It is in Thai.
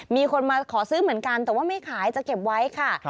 มีคนมาขอซื้อเหมือนกันแต่ว่าไม่ขายจะเก็บไว้ค่ะ